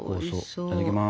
いただきます。